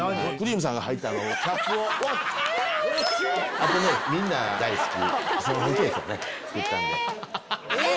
あとねみんな大好き。